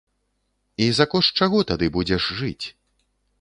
І за кошт чаго тады будзеш жыць?